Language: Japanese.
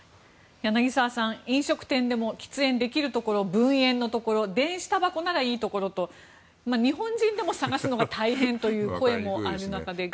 柳澤さん、飲食店でも喫煙できるところ分煙のところ電子たばこならいいところと日本人でも探すのが大変だという声がある中で。